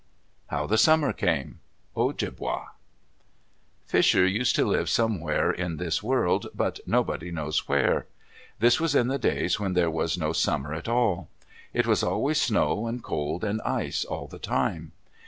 HOW THE SUMMER CAME Ojibwa Fisher used to live somewhere in this world, but nobody knows where. This was in the days when there was no summer at all. It was always snow and cold and ice all the time.